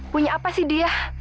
punya apa sih dia